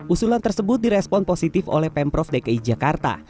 usulan tersebut direspon positif oleh pemprov dki jakarta